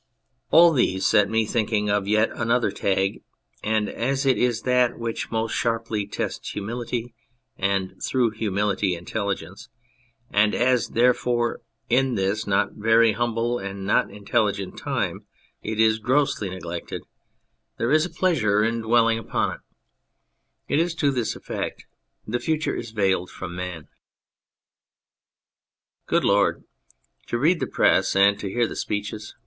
All these set me thinking of yet another tag, and as it is that which most sharply tests humility and, through humility, intelligence, and as, therefore, in this not very humble and not intelligent time it is grossly neglected, there is a pleasure in dwelling 46 On the Effect of Time upon it. It is to this effect :" The future is veiled from man." Good Lord ! To read the Press and to hear the speeches